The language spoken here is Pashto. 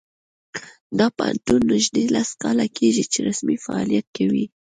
دا پوهنتون نږدې لس کاله کیږي چې رسمي فعالیت کوي